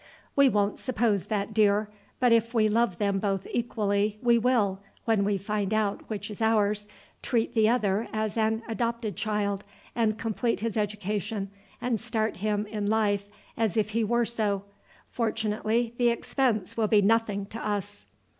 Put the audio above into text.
"We won't suppose that, dear; but if we love them both equally, we will, when we find out which is ours, treat the other as an adopted child and complete his education, and start him in life as if he were so. Fortunately the expense will be nothing to us."